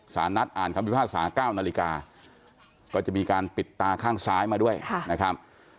สารนัดอ่านคำพิพากษา๙นาฬิกาก็จะมีการปิดตาข้างซ้ายมาด้วยนะครับ